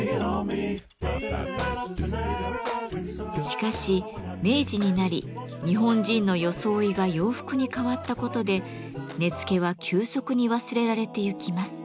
しかし明治になり日本人の装いが洋服に変わったことで根付は急速に忘れられてゆきます。